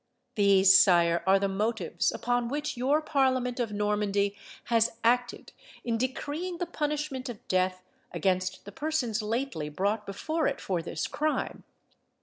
"These, sire, are the motives upon which your parliament of Normandy has acted in decreeing the punishment of death against the persons lately brought before it for this crime.